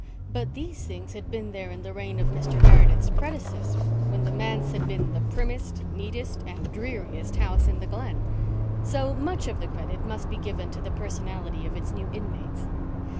But these things had been there in the reign of Mr. Meredith's predecessor, when the manse had been the primmest, neatest, and dreariest house in the Glen. So much of the credit must be given to the personality of its new inmates.